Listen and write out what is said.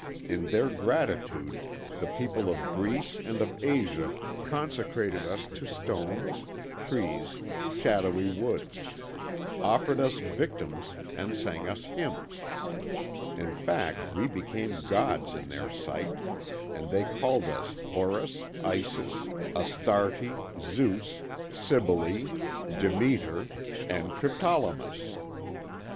In their gratitude the people of Greece and of Asia consecrated to us stones, trees, shadowy woods; offered us victims, and sang us hymns; in fact we became gods in their sight, and they called us Horus, Isis, Astarte, Zeus, Cybele, Demeter, and Triptolemus.